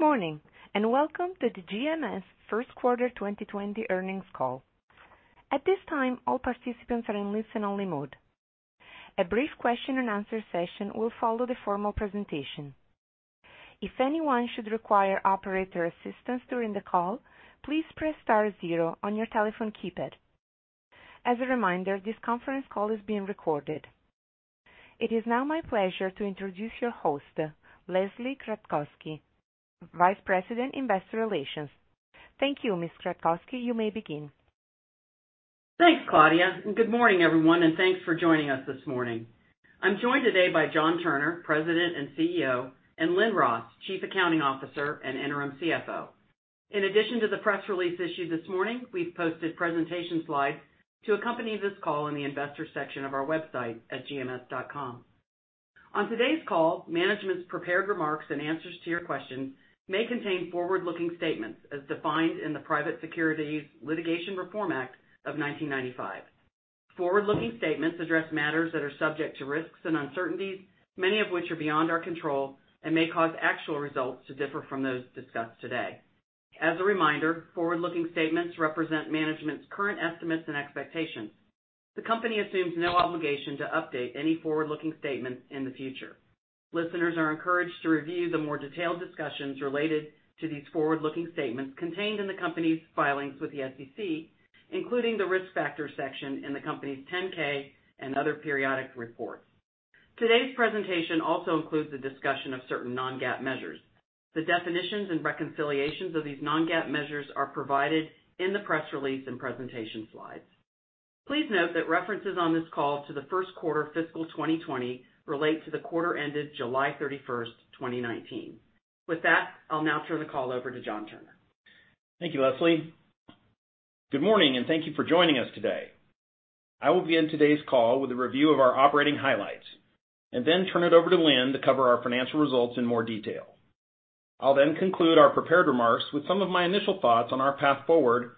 Good morning, welcome to the GMS first quarter 2020 earnings call. At this time, all participants are in listen-only mode. A brief question and answer session will follow the formal presentation. If anyone should require operator assistance during the call, please press star zero on your telephone keypad. As a reminder, this conference call is being recorded. It is now my pleasure to introduce your host, Leslie Kratcoski, Vice President, Investor Relations. Thank you, Ms. Kratcoski. You may begin. Thanks, Claudia, good morning, everyone, and thanks for joining us this morning. I'm joined today by John Turner, president and CEO, and Lynn Ross, chief accounting officer and interim CFO. In addition to the press release issued this morning, we've posted presentation slides to accompany this call in the investors section of our website at gms.com. On today's call, management's prepared remarks and answers to your questions may contain forward-looking statements as defined in the Private Securities Litigation Reform Act of 1995. Forward-looking statements address matters that are subject to risks and uncertainties, many of which are beyond our control and may cause actual results to differ from those discussed today. As a reminder, forward-looking statements represent management's current estimates and expectations. The company assumes no obligation to update any forward-looking statements in the future. Listeners are encouraged to review the more detailed discussions related to these forward-looking statements contained in the company's filings with the SEC, including the risk factors section in the company's 10K and other periodic reports. Today's presentation also includes a discussion of certain non-GAAP measures. The definitions and reconciliations of these non-GAAP measures are provided in the press release and presentation slides. Please note that references on this call to the first quarter fiscal 2020 relate to the quarter ended July 31, 2019. With that, I'll now turn the call over to John Turner. Thank you, Leslie. Good morning, and thank you for joining us today. I will begin today's call with a review of our operating highlights and then turn it over to Lynn to cover our financial results in more detail. I'll then conclude our prepared remarks with some of my initial thoughts on our path forward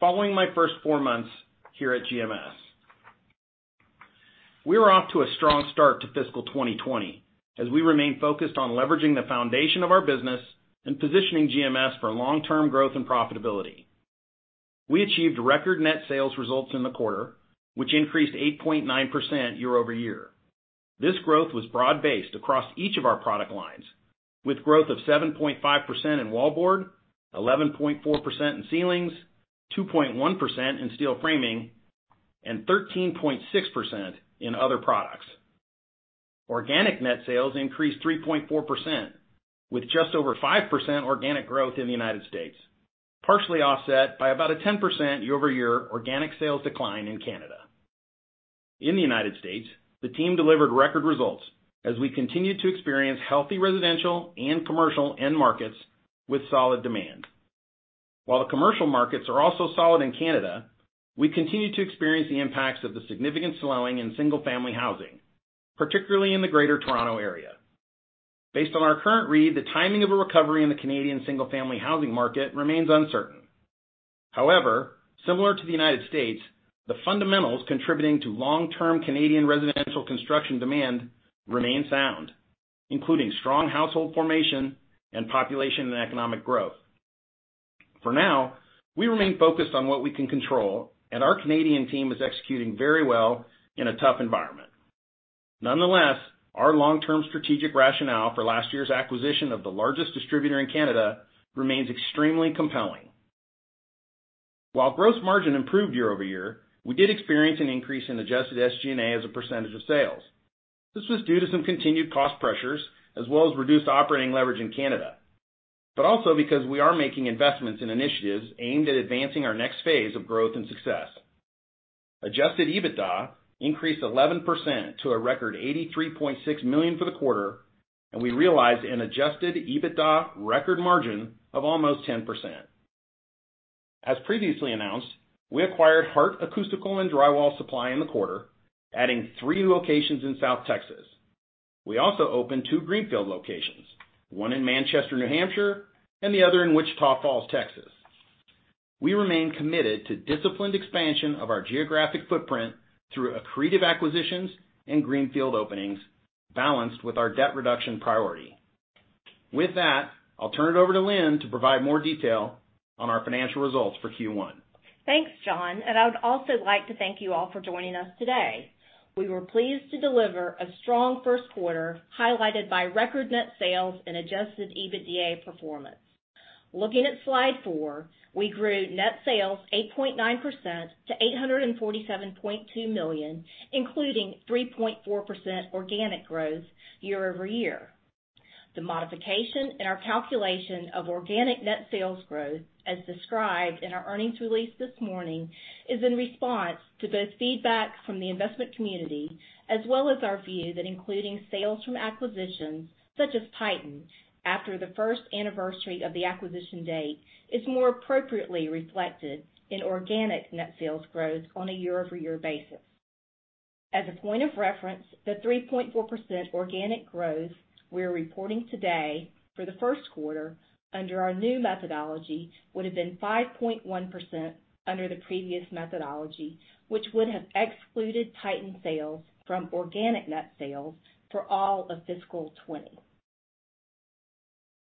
following my first four months here at GMS. We are off to a strong start to fiscal 2020 as we remain focused on leveraging the foundation of our business and positioning GMS for long-term growth and profitability. We achieved record net sales results in the quarter, which increased 8.9% year-over-year. This growth was broad-based across each of our product lines, with growth of 7.5% in wallboard, 11.4% in ceilings, 2.1% in steel framing, and 13.6% in other products. Organic net sales increased 3.4%, with just over 5% organic growth in the U.S., partially offset by about a 10% year-over-year organic sales decline in Canada. In the U.S., the team delivered record results as we continued to experience healthy residential and commercial end markets with solid demand. The commercial markets are also solid in Canada, we continue to experience the impacts of the significant slowing in single-family housing, particularly in the Greater Toronto Area. Based on our current read, the timing of a recovery in the Canadian single-family housing market remains uncertain. Similar to the U.S., the fundamentals contributing to long-term Canadian residential construction demand remain sound, including strong household formation and population and economic growth. For now, we remain focused on what we can control, and our Canadian team is executing very well in a tough environment. Nonetheless, our long-term strategic rationale for last year's acquisition of the largest distributor in Canada remains extremely compelling. While gross margin improved year-over-year, we did experience an increase in adjusted SG&A as a percentage of sales. This was due to some continued cost pressures as well as reduced operating leverage in Canada, but also because we are making investments in initiatives aimed at advancing our next phase of growth and success. Adjusted EBITDA increased 11% to a record $83.6 million for the quarter, and we realized an adjusted EBITDA record margin of almost 10%. As previously announced, we acquired Hart Acoustical & Drywall Supply in the quarter, adding three locations in South Texas. We also opened two greenfield locations, one in Manchester, New Hampshire, and the other in Wichita Falls, Texas. We remain committed to disciplined expansion of our geographic footprint through accretive acquisitions and greenfield openings balanced with our debt reduction priority. With that, I'll turn it over to Lynn to provide more detail on our financial results for Q1. Thanks, John. I would also like to thank you all for joining us today. We were pleased to deliver a strong first quarter, highlighted by record net sales and adjusted EBITDA performance. Looking at slide four, we grew net sales 8.9% to $847.2 million, including 3.4% organic growth year-over-year. The modification in our calculation of organic net sales growth, as described in our earnings release this morning, is in response to both feedback from the investment community as well as our view that including sales from acquisitions such as Titan after the first anniversary of the acquisition date is more appropriately reflected in organic net sales growth on a year-over-year basis. As a point of reference, the 3.4% organic growth we're reporting today for the first quarter under our new methodology would have been 5.1% under the previous methodology, which would have excluded Titan sales from organic net sales for all of fiscal 2020.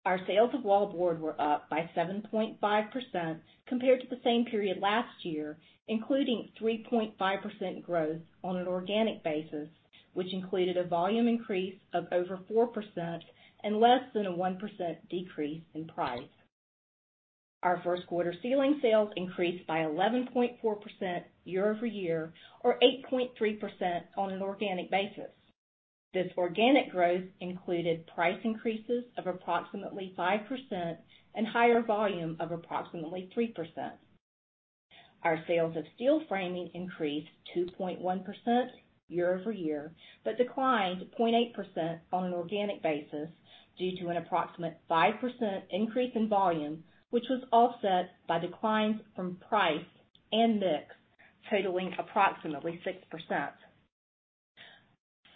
Our sales of wallboard were up by 7.5% compared to the same period last year, including 3.5% growth on an organic basis, which included a volume increase of over 4% and less than a 1% decrease in price. Our first quarter ceiling sales increased by 11.4% year-over-year, or 8.3% on an organic basis. This organic growth included price increases of approximately 5% and higher volume of approximately 3%. Our sales of steel framing increased 2.1% year-over-year, but declined to 0.8% on an organic basis due to an approximate 5% increase in volume, which was offset by declines from price and mix totaling approximately 6%.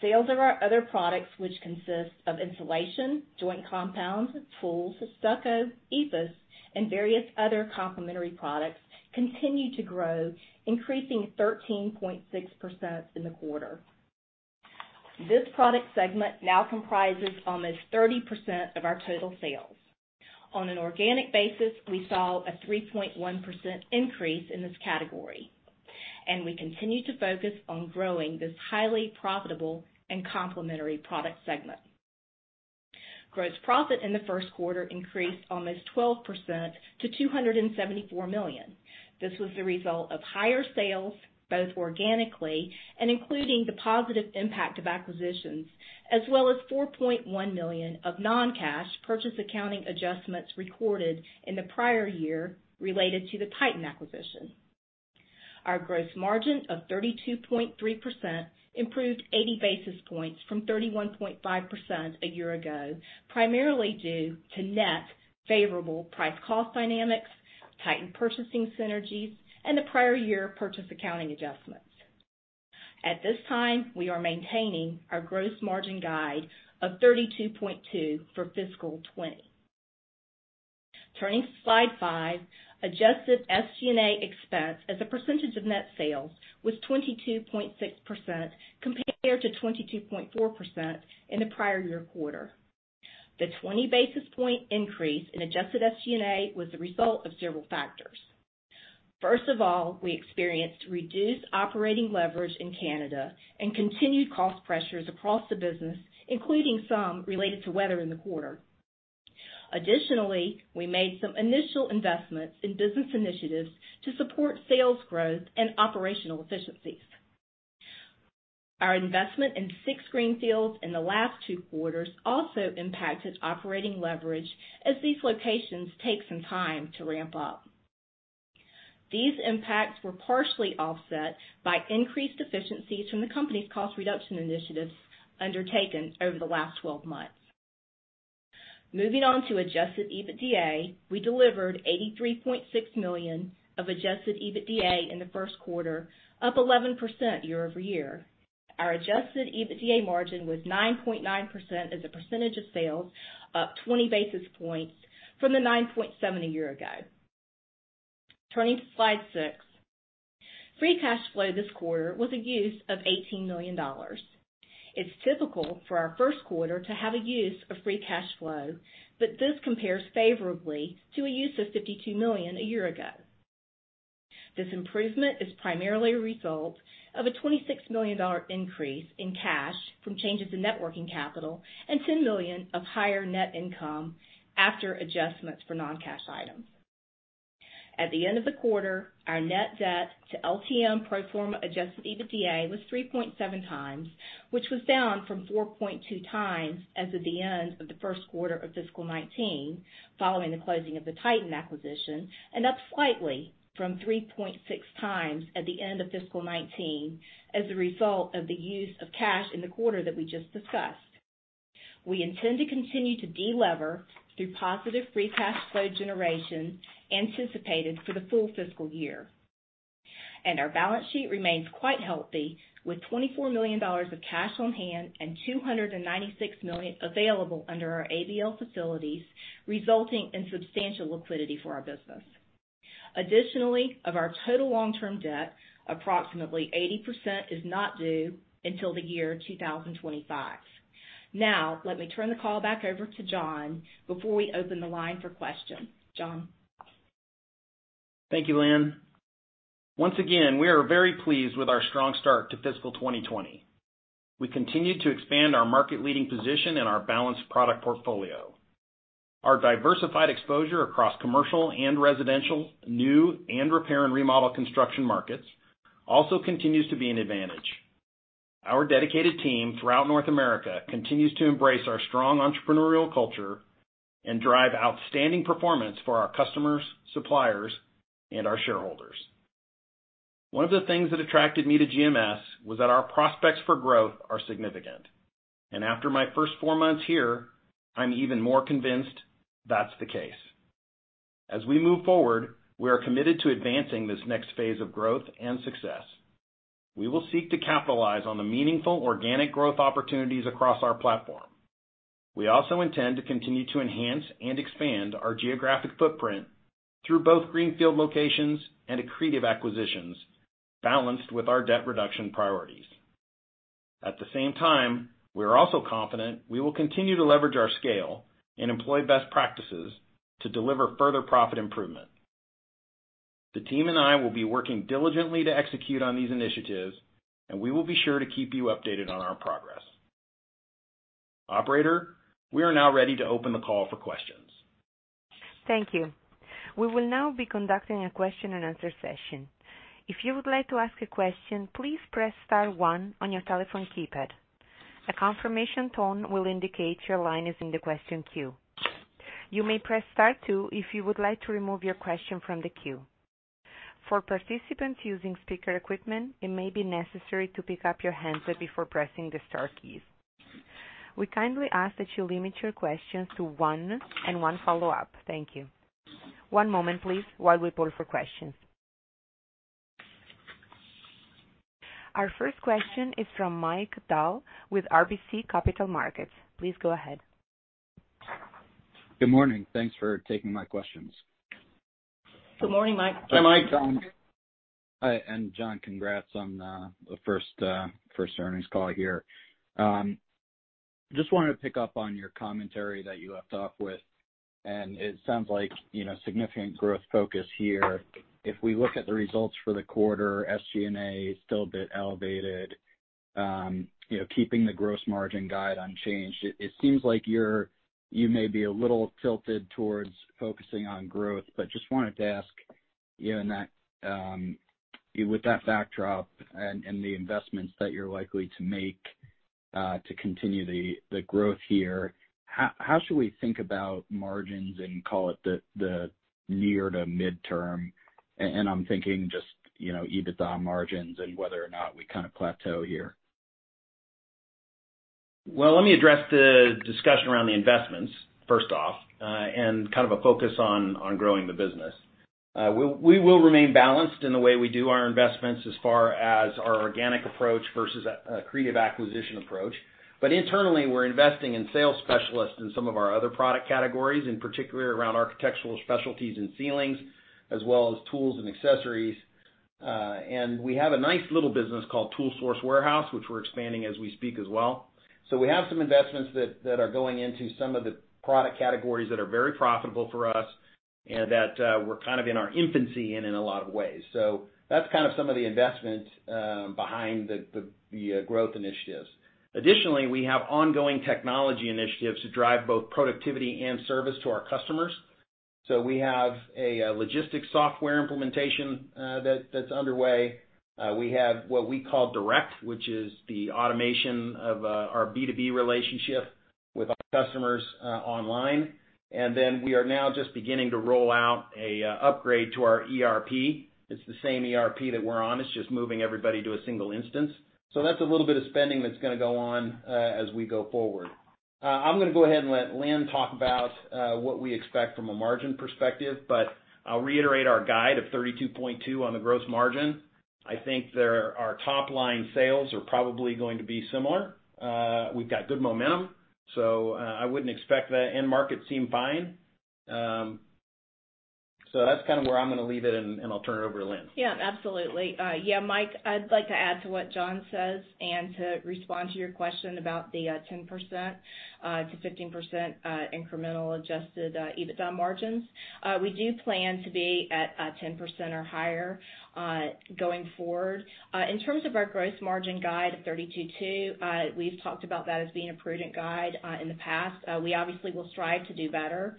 Sales of our other products, which consist of insulation, joint compounds, tools, stucco, EIFS, and various other complementary products, continue to grow, increasing 13.6% in the quarter. This product segment now comprises almost 30% of our total sales. On an organic basis, we saw a 3.1% increase in this category, and we continue to focus on growing this highly profitable and complementary product segment. Gross profit in the first quarter increased almost 12% to $274 million. This was the result of higher sales, both organically and including the positive impact of acquisitions, as well as $4.1 million of non-cash purchase accounting adjustments recorded in the prior year related to the Titan acquisition. Our gross margin of 32.3% improved 80 basis points from 31.5% a year ago, primarily due to net favorable price cost dynamics, Titan purchasing synergies, and the prior year purchase accounting adjustments. At this time, we are maintaining our gross margin guide of 32.2% for fiscal 2020. Turning to slide five. Adjusted SG&A expense as a percentage of net sales was 22.6% compared to 22.4% in the prior year quarter. The 20 basis point increase in adjusted SG&A was the result of several factors. First of all, we experienced reduced operating leverage in Canada and continued cost pressures across the business, including some related to weather in the quarter. Additionally, we made some initial investments in business initiatives to support sales growth and operational efficiencies. Our investment in six greenfields in the last two quarters also impacted operating leverage as these locations take some time to ramp up. These impacts were partially offset by increased efficiencies from the company's cost reduction initiatives undertaken over the last 12 months. Moving on to adjusted EBITDA. We delivered $83.6 million of adjusted EBITDA in the first quarter, up 11% year-over-year. Our adjusted EBITDA margin was 9.9% as a percentage of sales, up 20 basis points from the 9.7% a year ago. Turning to slide six. Free cash flow this quarter was a use of $18 million. It's typical for our first quarter to have a use of free cash flow, this compares favorably to a use of $52 million a year ago. This improvement is primarily a result of a $26 million increase in cash from changes in net working capital and $10 million of higher net income after adjustments for non-cash items. At the end of the quarter, our net debt to LTM pro forma adjusted EBITDA was 3.7 times, which was down from 4.2 times as of the end of the first quarter of fiscal 2019 following the closing of the Titan acquisition, and up slightly from 3.6 times at the end of fiscal 2019 as a result of the use of cash in the quarter that we just discussed. We intend to continue to de-lever through positive free cash flow generation anticipated for the full fiscal year. Our balance sheet remains quite healthy with $24 million of cash on hand and $296 million available under our ABL facilities, resulting in substantial liquidity for our business. Additionally, of our total long-term debt, approximately 80% is not due until the year 2025. Let me turn the call back over to John before we open the line for questions. John? Thank you, Lynn. Once again, we are very pleased with our strong start to fiscal 2020. We continue to expand our market-leading position and our balanced product portfolio. Our diversified exposure across commercial and residential, new and repair and remodel construction markets also continues to be an advantage. Our dedicated team throughout North America continues to embrace our strong entrepreneurial culture and drive outstanding performance for our customers, suppliers, and our shareholders. One of the things that attracted me to GMS was that our prospects for growth are significant. After my first four months here, I'm even more convinced that's the case. As we move forward, we are committed to advancing this next phase of growth and success. We will seek to capitalize on the meaningful organic growth opportunities across our platform. We also intend to continue to enhance and expand our geographic footprint through both greenfield locations and accretive acquisitions, balanced with our debt reduction priorities. At the same time, we're also confident we will continue to leverage our scale and employ best practices to deliver further profit improvement. The team and I will be working diligently to execute on these initiatives. We will be sure to keep you updated on our progress. Operator, we are now ready to open the call for questions. Thank you. We will now be conducting a question and answer session. If you would like to ask a question, please press star one on your telephone keypad. A confirmation tone will indicate your line is in the question queue. You may press star two if you would like to remove your question from the queue. For participants using speaker equipment, it may be necessary to pick up your handset before pressing the star keys. We kindly ask that you limit your questions to one and one follow-up. Thank you. One moment, please, while we poll for questions. Our first question is from Michael Dahl with RBC Capital Markets. Please go ahead. Good morning. Thanks for taking my questions. Good morning, Mike. Hi, Mike. Hi. John, congrats on the first earnings call here. Just wanted to pick up on your commentary that you left off with, and it sounds like significant growth focus here. If we look at the results for the quarter, SG&A is still a bit elevated. Keeping the gross margin guide unchanged, it seems like you may be a little tilted towards focusing on growth, but just wanted to ask you with that backdrop and the investments that you're likely to make, to continue the growth here, how should we think about margins in call it the near to midterm? I'm thinking just, EBITDA margins and whether or not we kind of plateau here. Well, let me address the discussion around the investments first off, and kind of a focus on growing the business. We will remain balanced in the way we do our investments as far as our organic approach versus accretive acquisition approach. Internally, we're investing in sales specialists in some of our other product categories, in particular around architectural specialties and ceilings, as well as tools and accessories. We have a nice little business called Tool Source Warehouse, which we're expanding as we speak as well. We have some investments that are going into some of the product categories that are very profitable for us and that we're kind of in our infancy in a lot of ways. That's kind of some of the investment behind the growth initiatives. Additionally, we have ongoing technology initiatives to drive both productivity and service to our customers. We have a logistics software implementation that's underway. We have what we call Direct, which is the automation of our B2B relationship with our customers online. We are now just beginning to roll out an upgrade to our ERP. It's the same ERP that we're on, it's just moving everybody to a single instance. That's a little bit of spending that's going to go on as we go forward. I'm going to go ahead and let Lynn talk about what we expect from a margin perspective, but I'll reiterate our guide of 32.2 on the gross margin. I think our top-line sales are probably going to be similar. We've got good momentum, I wouldn't expect that. End markets seem fine. That's kind of where I'm going to leave it, and I'll turn it over to Lynn. Absolutely. Mike, I'd like to add to what John says and to respond to your question about the 10%-15% incremental adjusted EBITDA margins. We do plan to be at 10% or higher, going forward. In terms of our gross margin guide of 32.2%, we've talked about that as being a prudent guide in the past. We obviously will strive to do better.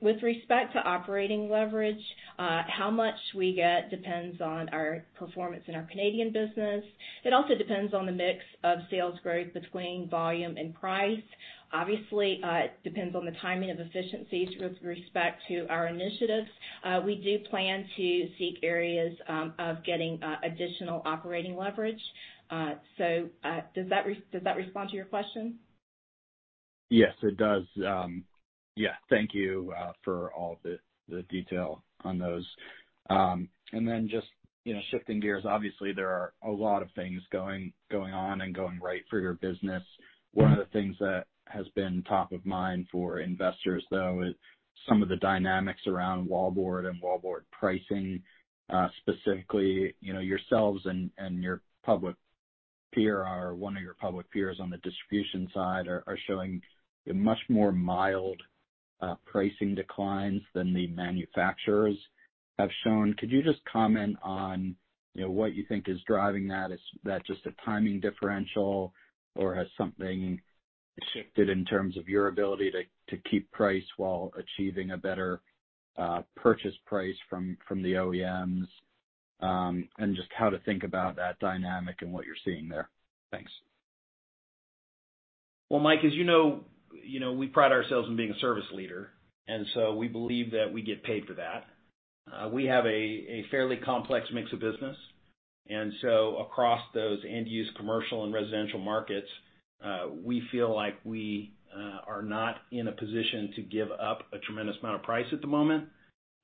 With respect to operating leverage, how much we get depends on our performance in our Canadian business. It also depends on the mix of sales growth between volume and price. Obviously, it depends on the timing of efficiencies with respect to our initiatives. We do plan to seek areas of getting additional operating leverage. Does that respond to your question? Yes, it does. Thank you for all the detail on those. Then just shifting gears, obviously there are a lot of things going on and going right for your business. One of the things that has been top of mind for investors, though, is some of the dynamics around wallboard and wallboard pricing, specifically, yourselves and your public peer or one of your public peers on the distribution side are showing a much more mild pricing declines than the manufacturers have shown. Could you just comment on what you think is driving that? Is that just a timing differential or has something shifted in terms of your ability to keep price while achieving a better purchase price from the OEMs? Just how to think about that dynamic and what you're seeing there. Thanks. Well, Mike, as you know, we pride ourselves on being a service leader. We believe that we get paid for that. We have a fairly complex mix of business. Across those end-use commercial and residential markets, we feel like we are not in a position to give up a tremendous amount of price at the moment.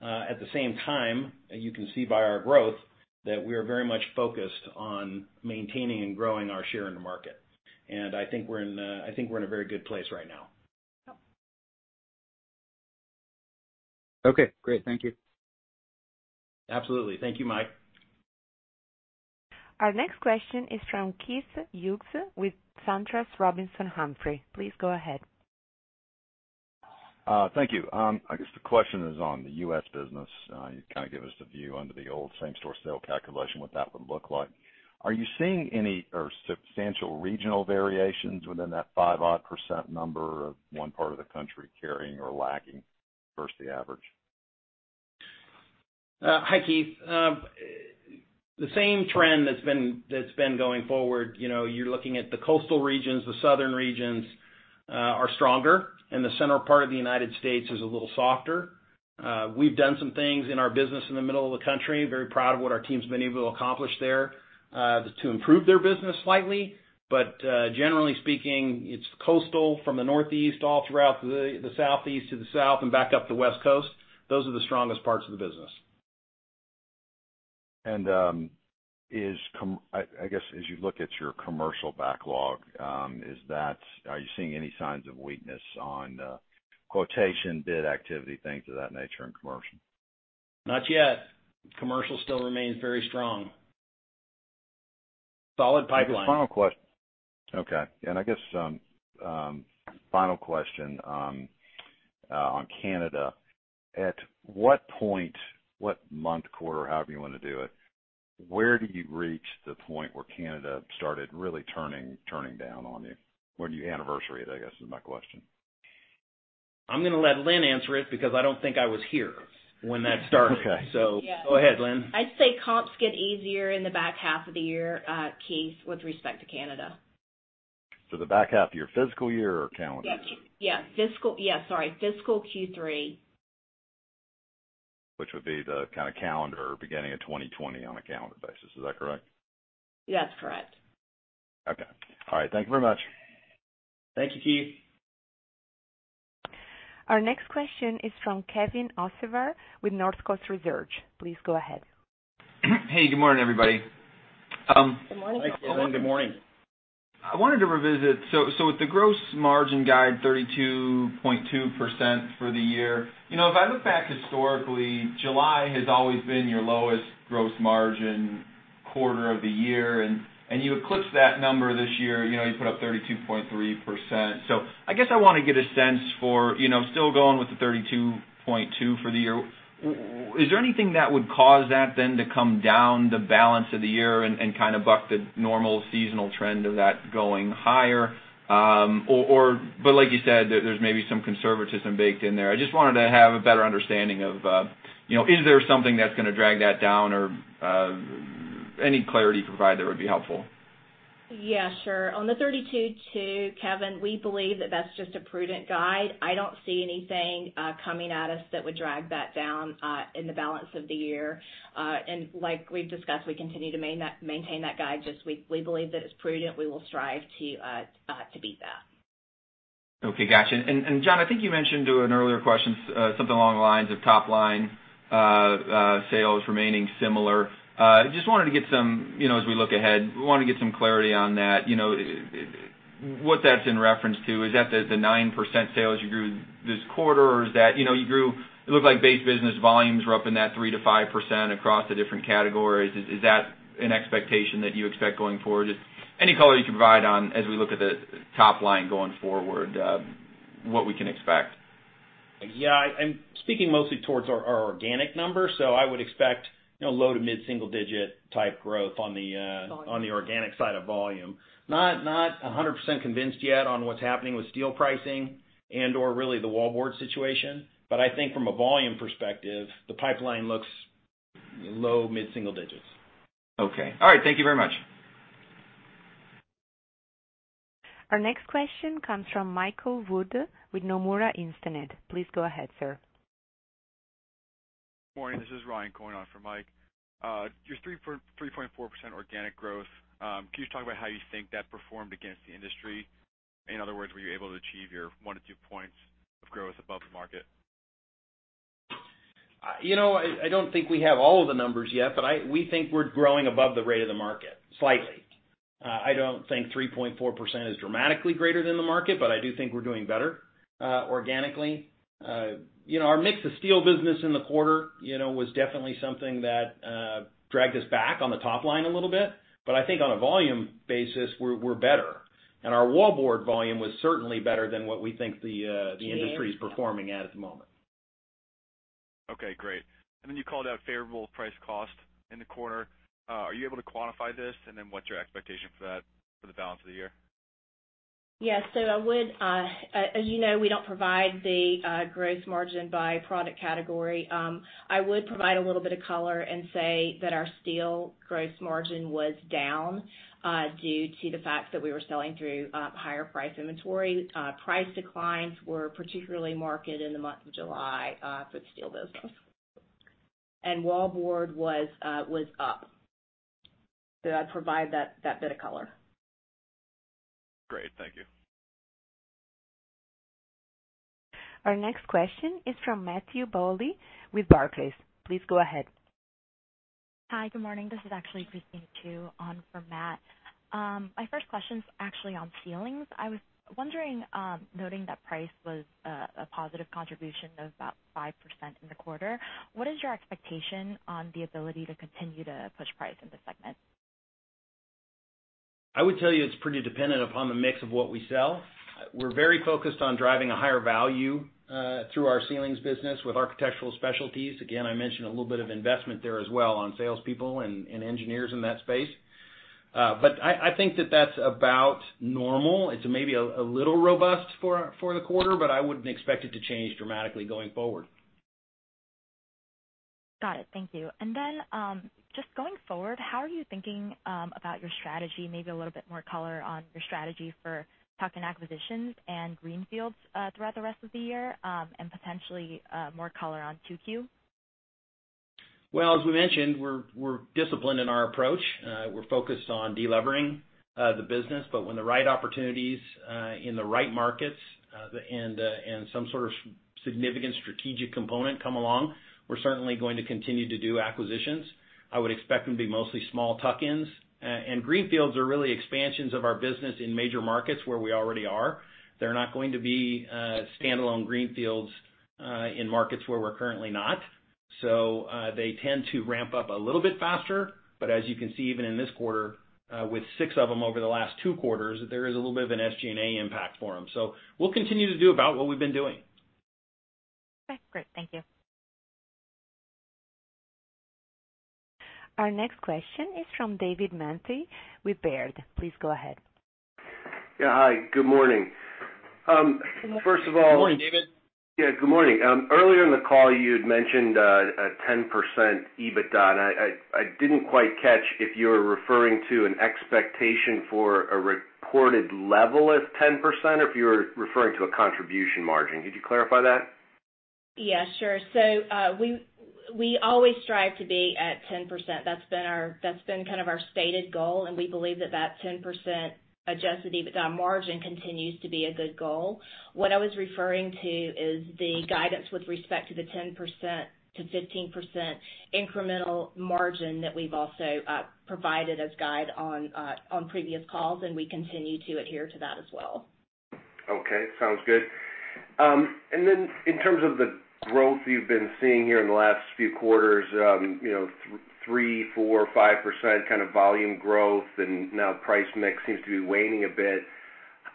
At the same time, you can see by our growth that we are very much focused on maintaining and growing our share in the market. I think we're in a very good place right now. Okay, great. Thank you. Absolutely. Thank you, Mike. Our next question is from Keith Hughes with SunTrust Robinson Humphrey. Please go ahead. Thank you. I guess the question is on the U.S. business. You kind of give us the view under the old same-store sales calculation, what that would look like. Are you seeing any or substantial regional variations within that five odd % number of one part of the country carrying or lagging versus the average? Hi, Keith. The same trend that's been going forward. You're looking at the coastal regions, the southern regions are stronger, and the central part of the U.S. is a little softer. We've done some things in our business in the middle of the country. Very proud of what our team's been able to accomplish there to improve their business slightly. Generally speaking, it's coastal from the northeast all throughout the southeast to the south and back up the West Coast. Those are the strongest parts of the business. I guess as you look at your commercial backlog, are you seeing any signs of weakness on quotation, bid activity, things of that nature in commercial? Not yet. Commercial still remains very strong. Solid pipeline. Okay. I guess, final question on Canada. At what point, what month, quarter, however you want to do it, where did you reach the point where Canada started really turning down on you? When do you anniversary it, I guess is my question. I'm going to let Lynn answer it because I don't think I was here when that started. Okay. Go ahead, Lynn. I'd say comps get easier in the back half of the year, Keith, with respect to Canada. For the back half of your fiscal year or calendar year? Yeah. Sorry. Fiscal Q3. Which would be the kind of calendar beginning of 2020 on a calendar basis. Is that correct? That's correct. Okay. All right. Thank you very much. Thank you, Keith. Our next question is from Kevin Hocevar with Northcoast Research. Please go ahead. Hey, good morning, everybody. Good morning. Good morning. I wanted to revisit. With the gross margin guide 32.2% for the year, if I look back historically, July has always been your lowest gross margin quarter of the year, and you eclipsed that number this year. You put up 32.3%. I guess I want to get a sense for, still going with the 32.2% for the year, is there anything that would cause that then to come down the balance of the year and kind of buck the normal seasonal trend of that going higher? Like you said, there's maybe some conservatism baked in there. I just wanted to have a better understanding of, is there something that's going to drag that down or any clarity you can provide there would be helpful. Yeah, sure. On the 32.2, Kevin, we believe that that's just a prudent guide. I don't see anything coming at us that would drag that down in the balance of the year. Like we've discussed, we continue to maintain that guide. Just we believe that it's prudent. We will strive to beat that. Okay. Got you. John, I think you mentioned to an earlier question something along the lines of top-line sales remaining similar. Just wanted to get some, as we look ahead, we want to get some clarity on that. What that's in reference to, is that the 9% sales you grew this quarter, or you grew, it looked like base business volumes were up in that 3%-5% across the different categories. Is that an expectation that you expect going forward? Just any color you can provide on as we look at the top line going forward, what we can expect. Yeah. I'm speaking mostly towards our organic numbers. I would expect low to mid-single digit type growth. Volume on the organic side of volume. Not 100% convinced yet on what's happening with steel pricing and or really the wallboard situation. I think from a volume perspective, the pipeline looks low mid-single digits. Okay. All right. Thank you very much. Our next question comes from Michael Wood with Nomura Instinet. Please go ahead, sir. Morning, this is Ryan going on for Mike. Your 3.4% organic growth, can you just talk about how you think that performed against the industry? In other words, were you able to achieve your one to two points of growth above the market? I don't think we have all of the numbers yet, but we think we're growing above the rate of the market slightly. I don't think 3.4% is dramatically greater than the market, but I do think we're doing better organically. Our mix of steel business in the quarter was definitely something that dragged us back on the top line a little bit. I think on a volume basis, we're better, and our wallboard volume was certainly better than what we think the industry- The industry. is performing at the moment. Okay, great. You called out favorable price cost in the quarter. Are you able to quantify this? What's your expectation for that for the balance of the year? Yeah. As you know, we don't provide the gross margin by product category. I would provide a little bit of color and say that our steel gross margin was down due to the fact that we were selling through higher price inventory. Price declines were particularly marked in the month of July for the steel business. Wallboard was up. I'd provide that bit of color. Great. Thank you. Our next question is from Matthew Bouley with Barclays. Please go ahead. Hi, good morning. This is actually Christine Tu on for Matt. My first question is actually on ceilings. I was wondering, noting that price was a positive contribution of about 5% in the quarter, what is your expectation on the ability to continue to push price in the segment? I would tell you, it's pretty dependent upon the mix of what we sell. We're very focused on driving a higher value through our ceilings business with architectural specialties. I mentioned a little bit of investment there as well on salespeople and engineers in that space. I think that that's about normal. It's maybe a little robust for the quarter, but I wouldn't expect it to change dramatically going forward. Got it. Thank you. Just going forward, how are you thinking about your strategy? Maybe a little bit more color on your strategy for tuck-in acquisitions and greenfields throughout the rest of the year, and potentially, more color on 2Q. Well, as we mentioned, we're disciplined in our approach. We're focused on de-leveraging the business. When the right opportunities in the right markets, and some sort of significant strategic component come along, we're certainly going to continue to do acquisitions. I would expect them to be mostly small tuck-ins. Greenfields are really expansions of our business in major markets where we already are. They're not going to be standalone greenfields in markets where we're currently not. They tend to ramp up a little bit faster. As you can see, even in this quarter, with six of them over the last two quarters, there is a little bit of an SG&A impact for them. We'll continue to do about what we've been doing. Okay, great. Thank you. Our next question is from David Manthey with Baird. Please go ahead. Yeah. Hi, good morning. Good morning, David. Yeah, good morning. Earlier in the call, you had mentioned a 10% EBITDA, and I didn't quite catch if you were referring to an expectation for a reported level of 10%, or if you were referring to a contribution margin. Could you clarify that? Yeah, sure. We always strive to be at 10%. That's been kind of our stated goal, and we believe that that 10% adjusted EBITDA margin continues to be a good goal. What I was referring to is the guidance with respect to the 10%-15% incremental margin that we've also provided as guide on previous calls, and we continue to adhere to that as well. Okay. Sounds good. Then in terms of the growth you've been seeing here in the last few quarters, 3, 4, 5% kind of volume growth, and now price mix seems to be waning a bit.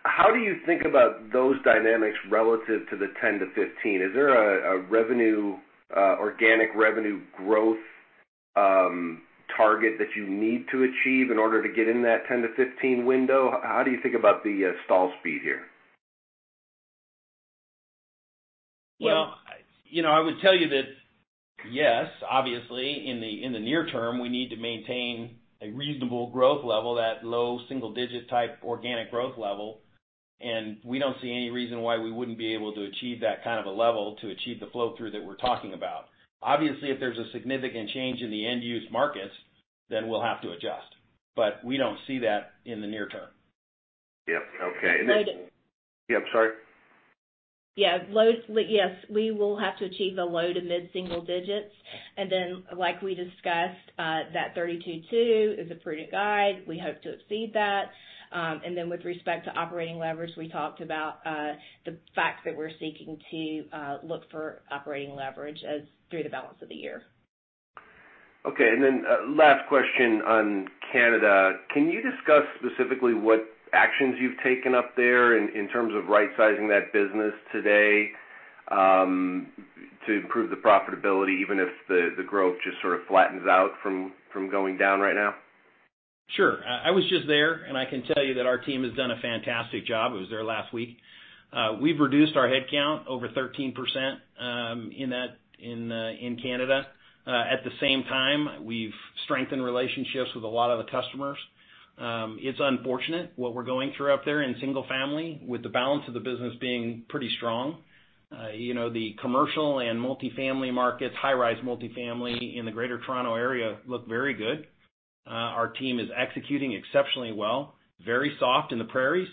How do you think about those dynamics relative to the 10%-15%? Is there a organic revenue growth target that you need to achieve in order to get in that 10%-15% window? How do you think about the stall speed here? Well, I would tell you that, yes, obviously, in the near term, we need to maintain a reasonable growth level, that low single-digit type organic growth level. We don't see any reason why we wouldn't be able to achieve that kind of a level to achieve the flow-through that we're talking about. Obviously, if there's a significant change in the end-use markets, we'll have to adjust. We don't see that in the near term. Yeah. Okay. Low to- Yeah. I'm sorry. Yeah. We will have to achieve the low- to mid-single digits. Like we discussed, that 32.2 is a prudent guide. We hope to exceed that. With respect to operating leverage, we talked about the fact that we're seeking to look for operating leverage as through the balance of the year. Okay. Last question on Canada. Can you discuss specifically what actions you've taken up there in terms of rightsizing that business today to improve the profitability, even if the growth just sort of flattens out from going down right now? Sure. I was just there, and I can tell you that our team has done a fantastic job. I was there last week. We've reduced our headcount over 13% in Canada. At the same time, we've strengthened relationships with a lot of the customers. It's unfortunate what we're going through up there in single family, with the balance of the business being pretty strong. The commercial and multifamily markets, high-rise multifamily in the Greater Toronto Area look very good. Our team is executing exceptionally well. Very soft in the prairies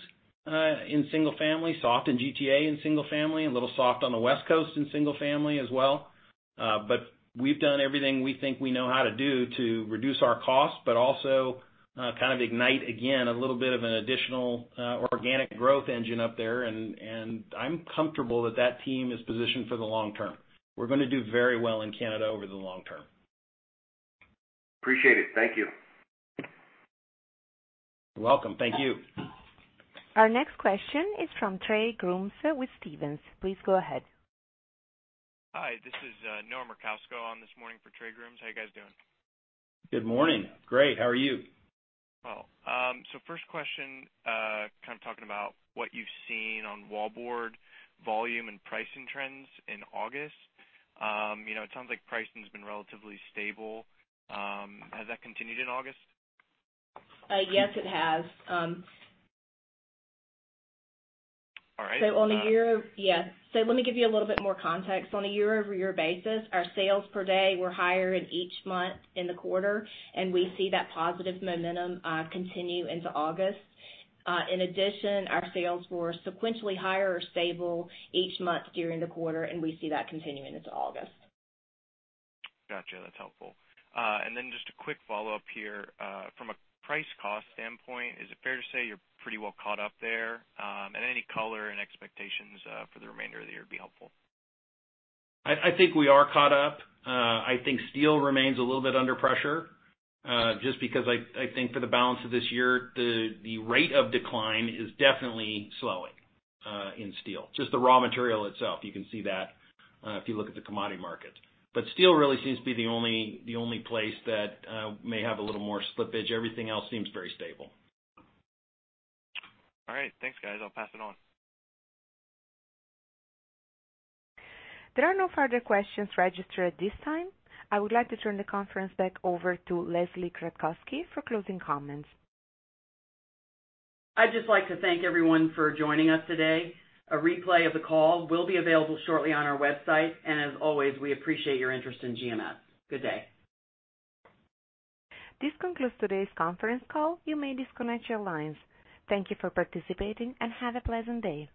in single family, soft in GTA in single family, a little soft on the West Coast in single family as well. We've done everything we think we know how to do to reduce our costs, but also kind of ignite, again, a little bit of an additional organic growth engine up there. I'm comfortable that that team is positioned for the long term. We're going to do very well in Canada over the long term. Appreciate it. Thank you. You're welcome. Thank you. Our next question is from Trey Grooms with Stephens. Please go ahead. Hi, this is Noah Merkousko on this morning for Trey Grooms. How you guys doing? Good morning. Great. How are you? Well, first question, kind of talking about what you've seen on wallboard volume and pricing trends in August. It sounds like pricing's been relatively stable. Has that continued in August? Yes, it has. All right. On the year. Yeah. Let me give you a little bit more context. On a year-over-year basis, our sales per day were higher in each month in the quarter, and we see that positive momentum continue into August. In addition, our sales were sequentially higher or stable each month during the quarter, and we see that continuing into August. Gotcha. That's helpful. Just a quick follow-up here. From a price cost standpoint, is it fair to say you're pretty well caught up there? Any color and expectations for the remainder of the year would be helpful. I think we are caught up. I think steel remains a little bit under pressure, just because I think for the balance of this year, the rate of decline is definitely slowing in steel. Just the raw material itself, you can see that if you look at the commodity market. Steel really seems to be the only place that may have a little more slippage. Everything else seems very stable. All right. Thanks, guys. I'll pass it on. There are no further questions registered at this time. I would like to turn the conference back over to Leslie Kratcoski for closing comments. I'd just like to thank everyone for joining us today. A replay of the call will be available shortly on our website, and as always, we appreciate your interest in GMS. Good day. This concludes today's conference call. You may disconnect your lines. Thank you for participating, and have a pleasant day.